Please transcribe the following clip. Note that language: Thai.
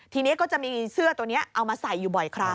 ทีนี้ก็จะมีเสื้อตัวนี้เอามาใส่อยู่บ่อยครั้ง